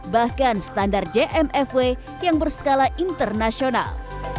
bahkan standar jmfw yang berskala internasional